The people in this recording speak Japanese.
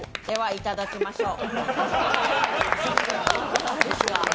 いただきましょう。